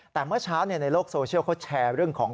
แต่เมื่อเช้าในโลกโซเชียลเขาแชร์เรื่องของ